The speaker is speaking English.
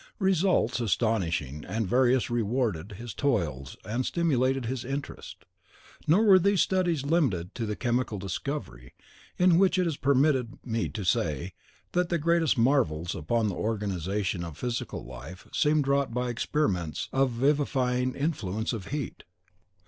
Results astonishing and various rewarded his toils and stimulated his interest. Nor were these studies limited to chemical discovery, in which it is permitted me to say that the greatest marvels upon the organisation of physical life seemed wrought by experiments of the vivifying influence of heat.